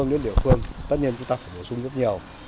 đội phương tất nhiên chúng ta phải bổ sung rất nhiều